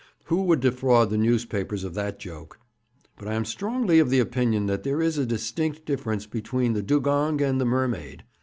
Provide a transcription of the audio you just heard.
Who would defraud the newspapers of that joke? But I am strongly of opinion that there is a distinct difference between the dugong and the mermaid.